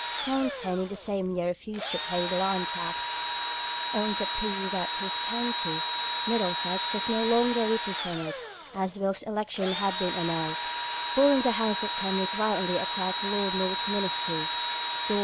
Townshend in the same year refused to pay the land tax, on the plea that his county (Middlesex) was no longer represented, as Wilkes's election had been annulled (Walpole's Letters, v. 348). Bull in the House of Commons violently attacked Lord North's ministry (_Parl.